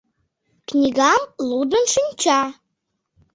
Книгам лудын шинча.